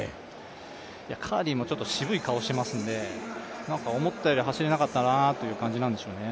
カーリーもちょっと渋い顔してますんで思ったより走れなかったなという感じなんでしょうね。